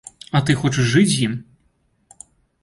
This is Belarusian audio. А ты хочаш жыць з ім!